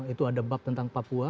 itu ada bab tentang papua